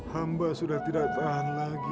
hamba sudah tidak tahan lagi